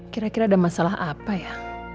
kira kira ada masalah apa ya